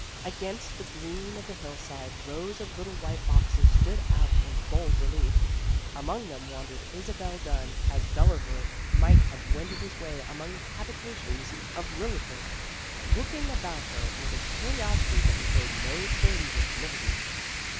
Against the green of the hillside rows of little white boxes stood out in bold relief. Among them wandered Isabel Dunn, as Gulliver might have wended his way among the habita tions of Lilliput, looking about her with a curiosity that betrayed no twinge of timidity.